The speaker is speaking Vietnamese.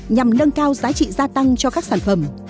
nhằm nâng cao giá trị gia tăng cho các sản phẩm